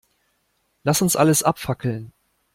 Lass uns alles abfackeln.